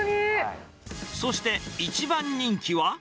そして、一番人気は。